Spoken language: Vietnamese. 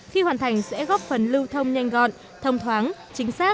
khi hoàn thành sẽ góp phần lưu thông nhanh gọn thông thoáng chính xác